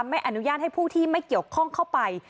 ไม่อนุญาตให้ผู้ที่ไม่เกี่ยวข้องเข้าไป